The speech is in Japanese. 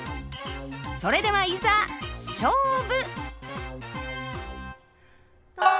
それではいざ勝負！